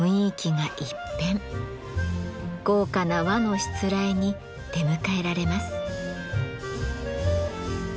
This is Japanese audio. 豪華な和のしつらえに出迎えられます。